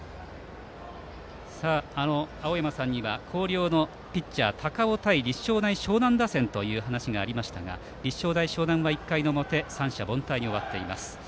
青山さんには広陵のピッチャー高尾対立正大淞南打線という話がありましたが立正大淞南は１回の表三者凡退に終わっています。